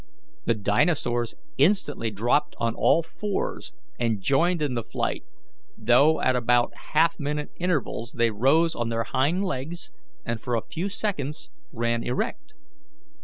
The dinosaurs instantly dropped on all fours and joined in the flight, though at about half minute intervals they rose on their hind legs and for a few seconds ran erect.